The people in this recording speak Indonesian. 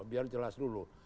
biar jelas dulu